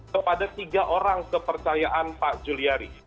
kepada tiga orang kepercayaan pak juliari